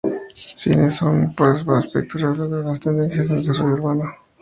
Cines son, pues, un aspecto revelador de las tendencias en el desarrollo urbano.